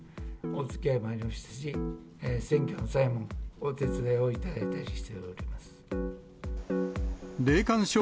おつきあいもありますし、選挙の際もお手伝いをいただいたりしております。